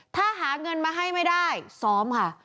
ถ้าหาเงินมาให้ไม่ได้ซ้อมค่ะ